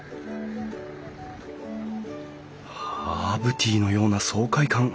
ハーブティーのような爽快感。